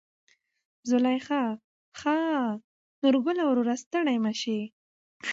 زليخا: ښا نورګله وروره ستړى مشې.